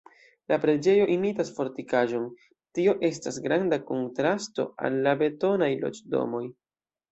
La preĝejo imitas fortikaĵon, tio estas granda kontrasto al la betonaj loĝdomoj.